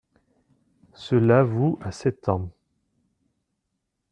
Cela vous a sept ans.